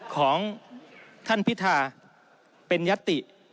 ของท่านพิธาเป็นยัตติ